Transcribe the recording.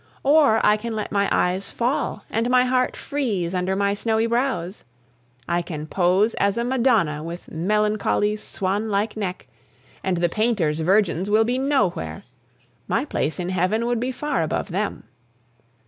Or I can let my eyes fall and my heart freeze under my snowy brows. I can pose as a Madonna with melancholy, swan like neck, and the painters' virgins will be nowhere; my place in heaven would be far above them.